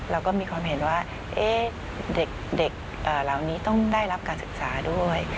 เราก็มีความเห็นว่าเด็กเหล่านี้ต้องได้รับการศึกษาด้วย